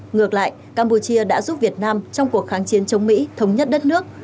ngược lại campuchia đã giúp việt nam trong cuộc kháng chiến chống mỹ thống nhất đất nước